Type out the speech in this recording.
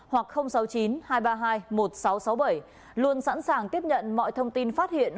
hoặc sáu mươi chín hai trăm ba mươi hai một nghìn sáu trăm sáu mươi bảy luôn sẵn sàng tiếp nhận mọi thông tin phát hiện